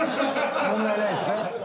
問題ないですね。